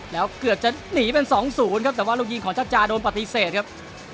แล้วเกือบจะหนีเป็น๒๐ครับแต่ว่าลูกยิงของชัดจาโดนปฏิเสธครับ